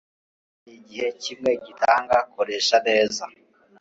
ubuzima nigihe kimwe gitanga, koresha neza